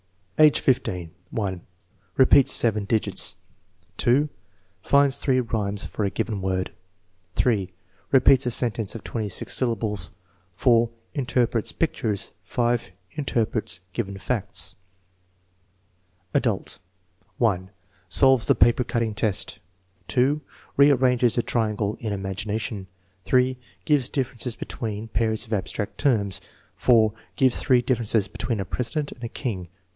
Ayr. in :! Repeats seven digits. * Kinds thre< rhymes for a given word. 3, HepeaU a .sentence of twenty six syllables* 4. Interprets pictures. />. Interprets given facts. THE BINET SIMON METHOD 39 Adult: 1. Solves the paper cutting test. %. Rearranges a triangle in imagination. 3. Gives differences between pairs of abstract terms. 4. Gives three differences between a president and a king.